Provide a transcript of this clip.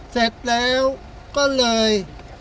เสร็จแล้วก็เลย